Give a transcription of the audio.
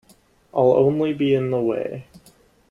I'll only be in the way.